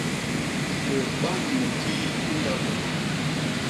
Bôt ba nhim kii i ndap boma?